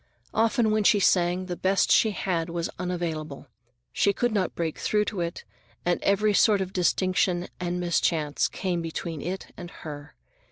Often when she sang, the best she had was unavailable; she could not break through to it, and every sort of distraction and mischance came between it and her.